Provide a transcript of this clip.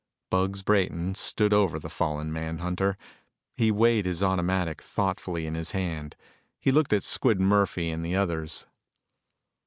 Bugs Brayton stood over the fallen manhunter. He weighed his automatic thoughtfully in his hand. He looked at Squid Murphy and the others.